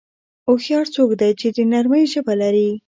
هوښیار څوک دی چې د نرمۍ ژبه لري.